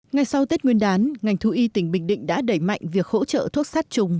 ngay sau tết nguyên đán ngành thú y tỉnh bình định đã đẩy mạnh việc hỗ trợ thuốc sát trùng